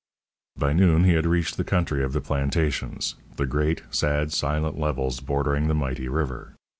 By noon he had reached the country of the plantations, the great, sad, silent levels bordering the mighty river.